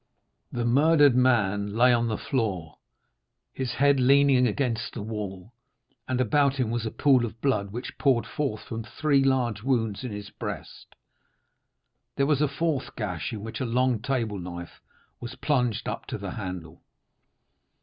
The murdered man lay on the floor, his head leaning against the wall, and about him was a pool of blood which poured forth from three large wounds in his breast; there was a fourth gash, in which a long table knife was plunged up to the handle.